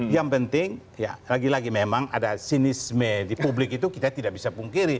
yang penting ya lagi lagi memang ada sinisme di publik itu kita tidak bisa pungkiri